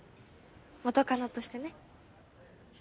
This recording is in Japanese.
元カノとしてね